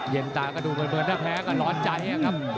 เย็นตาก็ดูเหมือนเข้าก็ร้อนใจครับ